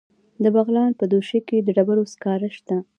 د بغلان په دوشي کې د ډبرو سکاره شته.